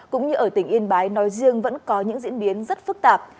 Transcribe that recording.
cũng như ở tỉnh yên bái nói riêng vẫn có những diễn biến rất phức tạp